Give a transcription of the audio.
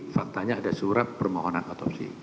faktanya ada surat permohonan otopsi